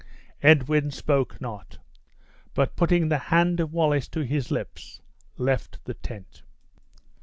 Edwin spoke not, but putting the hand of Wallace to his lips, left the tent.